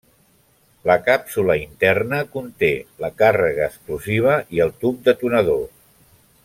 La càpsula interna conté la càrrega explosiva i el tub detonador.